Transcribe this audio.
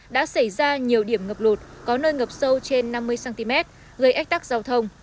đã xảy ra nhiều điểm ngập lụt có nơi ngập sâu trên năm mươi cm gây ách tắc giao thông